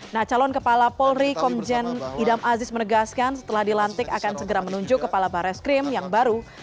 nah calon kepala polri komjen idam aziz menegaskan setelah dilantik akan segera menunjuk kepala baris krim yang baru